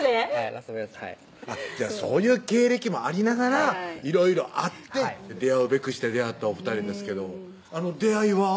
ラスベガスはいそういう経歴もありながらいろいろあって出会うべくして出会ったお２人ですけど出会いは？